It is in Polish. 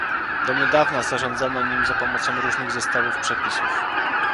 Do niedawna zarządzano nim za pomocą różnych zestawów przepisów